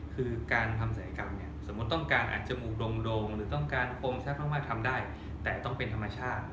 ซึ่งการทำสัยกรรมก็ต้องมีจมูกโดมดงหรือผมรวมพร้อมที่ได้แต่ต้องเป็นธรรมชาติ